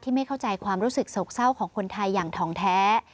ไม่เข้าใจความรู้สึกโศกเศร้าของคนไทยอย่างทองแท้